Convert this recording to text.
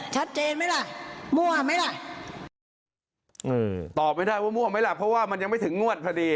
ชัดเจนมั้ยล่ะมั่วมั้ยล่ะตอบไม่ได้ว่ามั่วมั้ยล่ะเพราะว่ามันยังไม่ถึงงวดพอดี